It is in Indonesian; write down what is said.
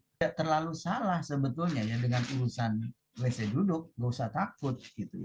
tidak terlalu salah sebetulnya dengan urusan kloset duduk tidak usah takut